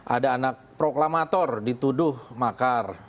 ada anak proklamator dituduh makar